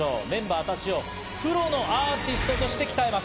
メンバーたちをプロのアーティストとして鍛えます。